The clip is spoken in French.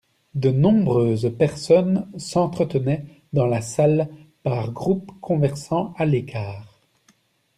De nombreuses personnes s'entretenaient dans la salle, par groupes conversant à l'écart.